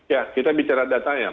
ya kita bicara datanya